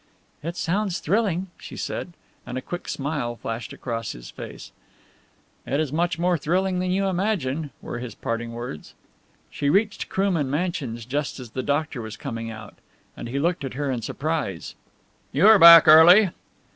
"It sounds thrilling," she said, and a quick smile flashed across his face. "It is much more thrilling than you imagine," were his parting words. She reached Krooman Mansions just as the doctor was coming out, and he looked at her in surprise. "You are back early!"